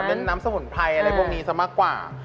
น้ำสมุนไพรอะไรพวกนี้ซะมากกว่า